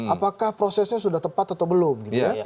apakah prosesnya sudah tepat atau belum